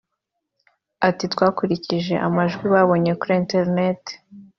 ati “Twakurikije amajwi babonye kuri internet